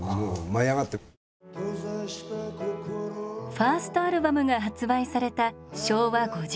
ファーストアルバムが発売された昭和５３年。